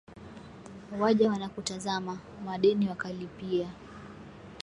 Waja wanakutazama, madeni wakalipia,